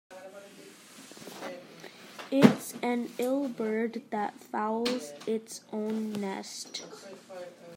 It's an ill bird that fouls its own nest.